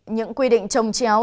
những quy định trồng chéo